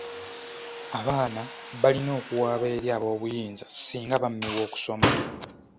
Abaana balina okuwaaba eri ab'obuyinza singa bammibwa okusoma.